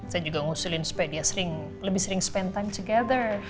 saya juga ngusulin spedia sering lebih sering spend time together